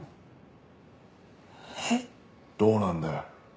えっ？どうなんだよ？